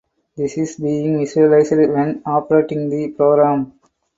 This is being visualised when operating the program.